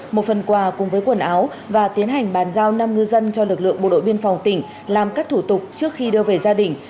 một phần quà cùng với quần áo và tiến hành bàn giao năm ngư dân cho lực lượng bộ đội biên phòng tỉnh làm các thủ tục trước khi đưa về gia đình